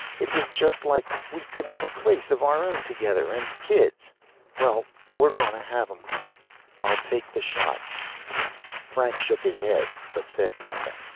It was just like we could have a place of our own together, and kids. Well, we're gonna have 'em, honey. I'll take the shots." Frank shook his head but said nothing.